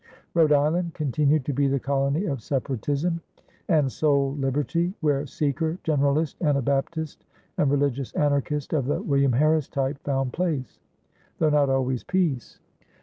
Rhode Island continued to be the colony of separatism and soul liberty, where Seeker, Generalist, Anabaptist, and religious anarchist of the William Harris type found place, though not always peace.